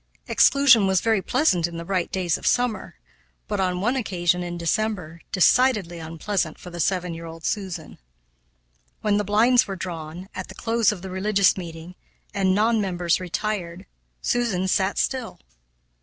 Exclusion was very pleasant in the bright days of summer; but, on one occasion in December, decidedly unpleasant for the seven year old Susan. When the blinds were drawn, at the close of the religious meeting, and non members retired, Susan sat still.